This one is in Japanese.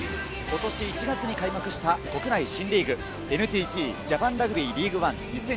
今年１月に開幕した国内新リーグ、ＮＴＴジャパンラグビーリーグワン２０２２。